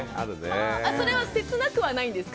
それは切なくはないんですか？